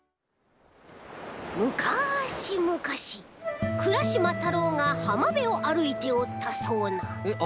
むかしむかしクラしまたろうがはまべをあるいておったそうなえっあ